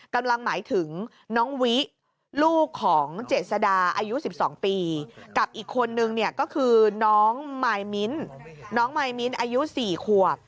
หมายถึงน้องวิลูกของเจษดาอายุ๑๒ปีกับอีกคนนึงเนี่ยก็คือน้องมายมิ้นน้องมายมิ้นอายุ๔ขวบ